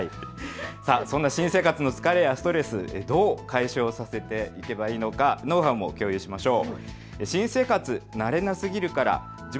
そんな新生活のストレス、どう解消させていけばいいのかノウハウも共有しましょう。